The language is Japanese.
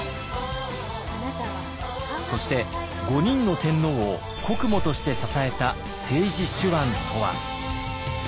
そして５人の天皇を国母として支えた政治手腕とは？